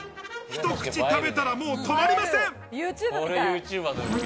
一口食べたら、もう止まりません。